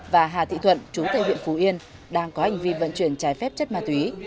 và hà thị thuận chú tây huyện phú yên đang có hành vi vận chuyển trái phép chất ma túy